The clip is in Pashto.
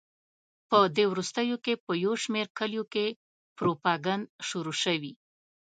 په دې وروستیو کې په یو شمېر کلیو کې پروپاګند شروع شوی.